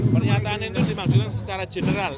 pernyataan itu dimaksudkan secara general